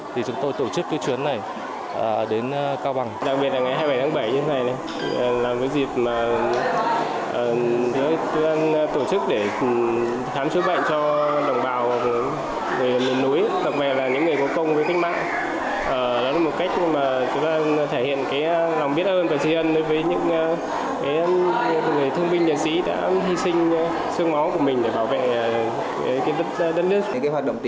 thì chúng tôi tổ chức chuyến này đến cao bằng